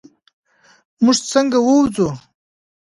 مونږ څنګه ووځو؟